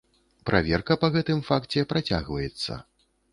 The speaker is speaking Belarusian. Праверка па гэтым факце працягваецца.